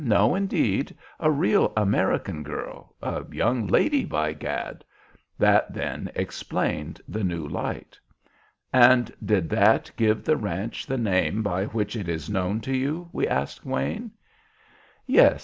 No, indeed! A real American girl, a young lady, by Gad!'" That, then, explained the new light. "And did that give the ranch the name by which it is known to you?" we asked Wayne. "Yes.